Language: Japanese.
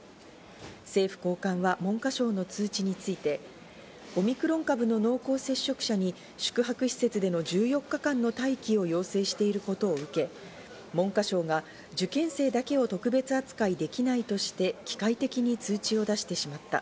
政府高官は文科省の通知について、オミクロン株の濃厚接触者に宿泊施設での１４日間の待機を要請していることを受け、文科省が受験生だけを特別扱いできないとして機械的に通知を出してしまった。